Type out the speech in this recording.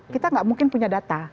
kita nggak mungkin punya data